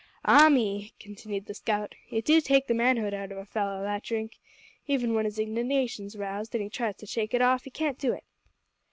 "Ah me!" continued the scout, "it do take the manhood out of a fellow, that drink. Even when his indignation's roused and he tries to shake it off, he can't do it."